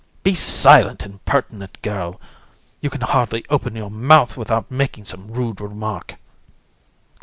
COUN. Be silent, impertinent girl! You can hardly open your month without making some rude remark.